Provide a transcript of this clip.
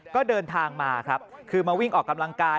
ก็เดินทางมาครับคือมาวิ่งออกกำลังกาย